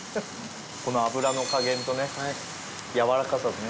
この脂の加減とねやわらかさとね。